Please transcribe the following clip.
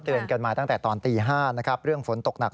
เตือนกันมาตั้งแต่ตอนตี๕เรื่องฝนตกหนัก